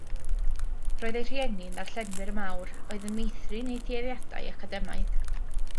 Roedd ei rhieni'n ddarllenwyr mawr, a oedd yn meithrin ei thueddiadau academaidd.